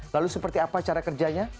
lalu seperti apa cara kerjanya